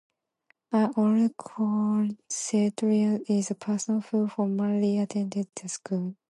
An Old Colcestrian is a person who formerly attended the school.